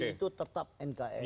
harga mati itu tetap nkri